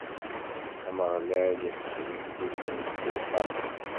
Ameɣlal iḥkem igduden s lewqama.